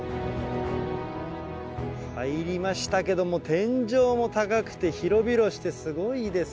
入りましたけども天井も高くて広々してすごいですね。